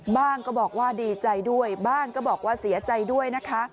ก็บอกว่าดีใจด้วยบ้างก็บอกว่าเสียใจด้วยนะคะ